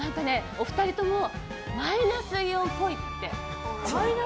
お二人ともマイナスイオンっぽいって。